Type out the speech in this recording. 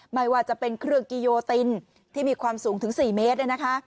ไม่ว่าจะเป็นเครื่องกิโยตินที่มีความสูงถึง๔เมตร